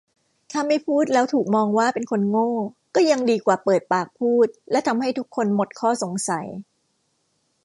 ถ้าไม่พูดแล้วถูกมองว่าเป็นคนโง่ก็ยังดีกว่าเปิดปากพูดและทำให้ทุกคนหมดข้อสงสัย